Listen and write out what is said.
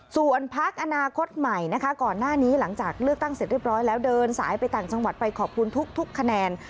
ส่วนพักอนาคตใหม่นะคะก่อนหน้านี้หลังจากเลือกตั้งเสร็จเรียบร้อยแล้วเดินสายไปต่างจังหวัดไปขอบคุณทุกคะแนน